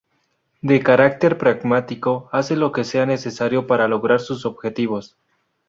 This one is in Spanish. De carácter pragmático, hace lo que sea necesario para lograr sus objetivos.